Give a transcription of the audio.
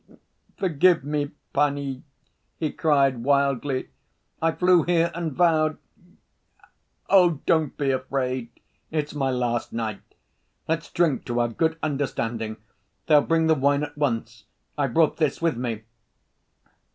Forgive me, panie," he cried wildly, "I flew here and vowed— Oh, don't be afraid, it's my last night! Let's drink to our good understanding. They'll bring the wine at once.... I brought this with me."